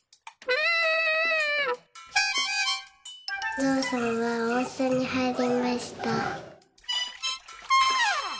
「ゾウさんはおんせんにはいりました」。